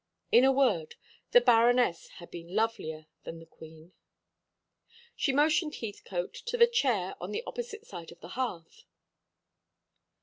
In a word, the Baroness had been lovelier than the Queen. She motioned Heathcote to a chair on the opposite side of the hearth.